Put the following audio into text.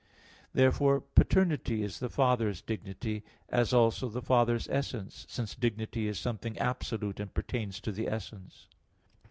Therefore, paternity is the Father's dignity, as also the Father's essence: since dignity is something absolute, and pertains to the essence.